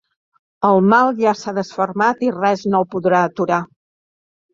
El mal ja s’ha desfermat i res no el podrà aturar.